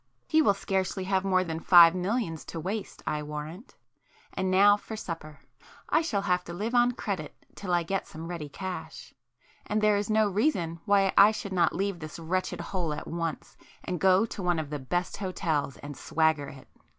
He will scarcely have more than five millions to waste, I warrant! And now for supper,—I shall have to live on credit till I get some ready cash,—and there is no reason why I should not leave this wretched hole at once, and go to one of the best hotels and swagger it!"